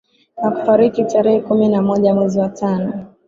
Na kufariki tarehe kumi na moja mwezi wa tano